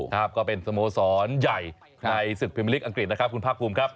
ก็เป็นสโมสรใหญ่ในศึกพิมพลิกอังกฤษนะครับคุณภาคภูมิครับ